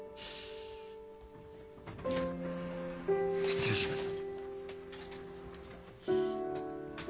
失礼します。